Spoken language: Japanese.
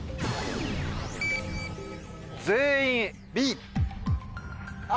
全員Ｂ。